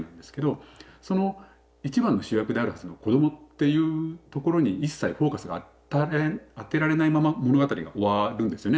その一番の主役であるはずの「子ども」っていうところに一切フォーカスが当てられないまま物語が終わるんですよね